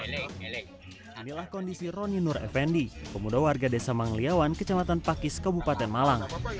inilah kondisi roni nur effendi pemuda warga desa mangliawan kecamatan pakis kabupaten malang